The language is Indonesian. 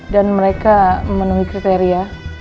dan mereka menemui kriteria